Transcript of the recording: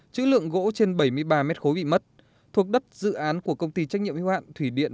chữ lượng gỗ trên bảy mươi ba m ba bị mất thuộc đất dự án của công ty trách nhiệm hữu hạn thủy điện